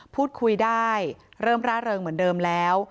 พูดคุยได้เริ่มร่าเริงเหมือนเดิมแล้ว